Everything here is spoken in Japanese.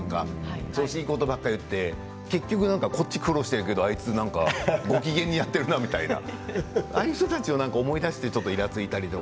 調子いいことばかり言って結局こっちが苦労してるけどあいつはご機嫌になっているなとああいう人たちを思い出していらついたりね。